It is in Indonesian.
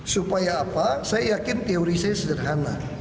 supaya apa saya yakin teori saya sederhana